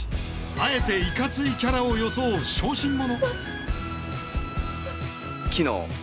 あえていかついキャラを装う小心者。